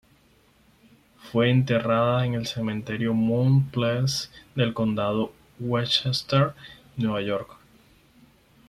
Fue enterrada en el Cementerio Mount Pleasant del Condado de Westchester, Nueva York.